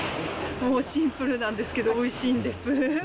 もうシンプルなんですけど、おいしいんです。